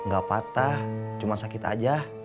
gak patah cuma sakit aja